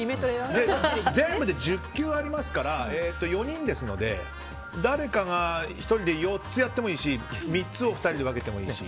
全部で１０球ありますから４人ですので誰かが１人で４つやってもいいし３つを２人で分けてもいいし。